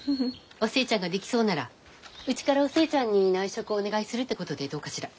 お寿恵ちゃんができそうならうちからお寿恵ちゃんに内職をお願いするってことでどうかしら？